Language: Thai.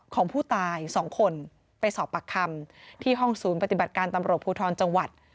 ของผู้ตาย๒คนไปสอบปากคำที่ห้องศูนย์ปฏิบัติการตำรวจภูทรจังหวัด